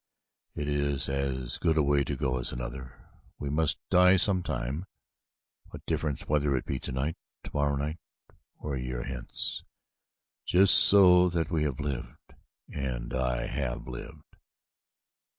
It is as good a way to go as another. We must die sometime. What difference whether it be tonight, tomorrow night, or a year hence, just so that we have lived and I have lived!"